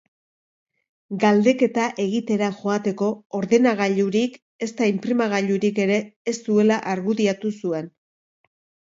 Galdeketa egitera joateko ordenagailurik ezta inprimagailurik ere ez zuela argudiatu zuen.